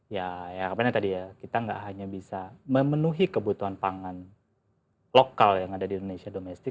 ya harapannya tadi ya kita nggak hanya bisa memenuhi kebutuhan pangan lokal yang ada di indonesia domestik